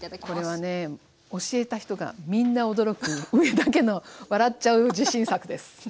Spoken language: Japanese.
これはね教えた人がみんな驚く上田家の笑っちゃう自信作です。